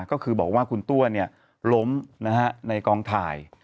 ก็คือบอกว่าคุณตัวล้มในกองถ่าย